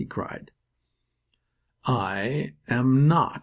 he cried. "I am not!"